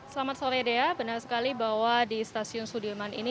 selamat sore dea benar sekali bahwa di stasiun sudirman ini